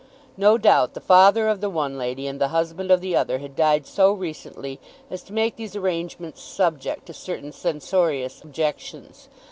No doubt the father of the one lady and the husband of the other had died so recently as to make these arrangements subject to certain censorious objections.